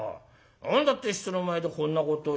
何だって人の前でこんなことしや。